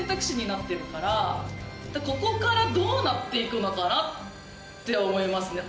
ここからどうなっていくのかなって思いますね。